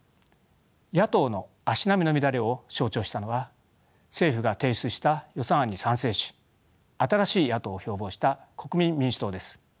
野党の足並みの乱れを象徴したのは政府が提出した予算案に賛成し新しい野党を標榜した国民民主党です。